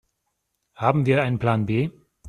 Haben wir einen Plan B?